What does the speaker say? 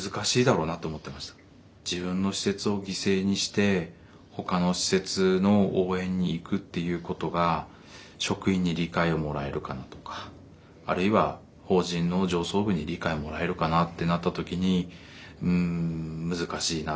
自分の施設を犠牲にしてほかの施設の応援に行くっていうことが職員に理解をもらえるかなとかあるいは法人の上層部に理解もらえるかなってなった時にうん難しいな。